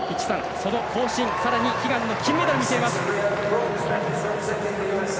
その更新、さらに悲願の金メダルを目指します。